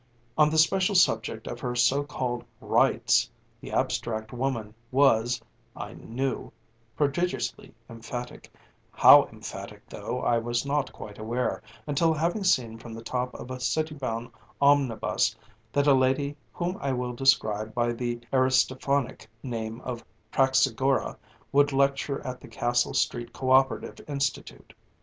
On the special subject of her so called "Rights" the abstract Woman was, I knew, prodigiously emphatic how emphatic, though, I was not quite aware, until having seen from the top of a City bound omnibus that a lady whom I will describe by the Aristophanic name of Praxagora would lecture at the Castle Street Co operative Institute.